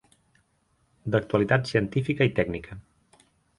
D’actualitat científica i tècnica.